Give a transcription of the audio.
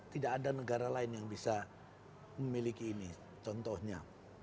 tidak ada negara lain yang bisa memiliki ini contohnya